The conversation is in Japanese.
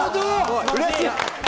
うれしい！